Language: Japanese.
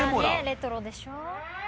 レトロでしょ？